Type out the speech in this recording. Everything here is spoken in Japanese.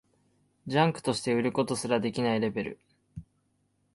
ジャンクとして売ることすらできないレベル